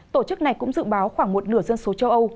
tổ chức này cũng dự báo khoảng một nửa dân số châu âu